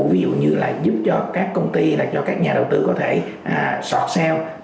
ví dụ như là giúp cho các công ty cho các nhà đầu tư có thể sọt sale